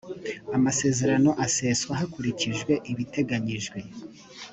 amasezerano aseswa hakurikijwe ibiteganyijwe .